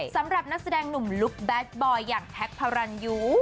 สำหรับนักแสดงหนุ่มลุคแบดบอยอย่างแท็กพารันยู